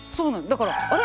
だからあれ？